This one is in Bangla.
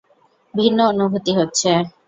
ভিন্ন অনুভুতি হচ্ছে।